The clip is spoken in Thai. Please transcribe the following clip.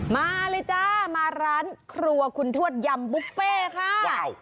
มาเลยจ้ามาร้านครัวคุณทวดยำบุฟเฟ่ค่ะ